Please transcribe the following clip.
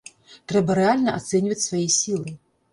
Трэба рэальна ацэньваць свае сілы.